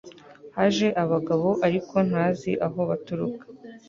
haje abagabo ariko ntazi aho baturuka